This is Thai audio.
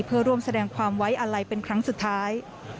เพื่อร่วมแสดงความไว้อาลัยเป็นครั้งสุดท้าย